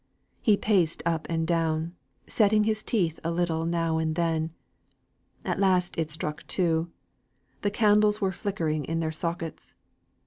He paced up and down, setting his teeth now and then. At last it struck two. The candles were flickering in their sockets.